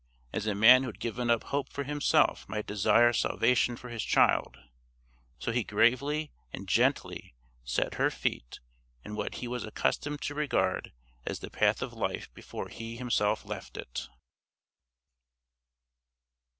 As a man who had given up hope for himself might desire salvation for his child, so he gravely and gently set her feet in what he was accustomed to regard as the path of life before he himself left it.